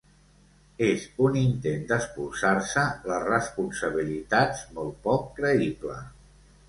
És un intent d’espolsar-se les responsabilitats molt poc creïble.